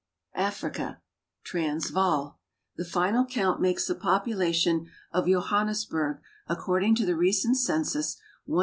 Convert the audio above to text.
AFRICA Transvaal. The final count makes the population of Johannesburg, according to the recent census, 102,078.